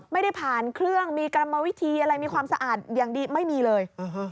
ไม่ได้ผ่านเครื่องมีกรรมวิธีอะไรมีความสะอาดอย่างดีไม่มีเลย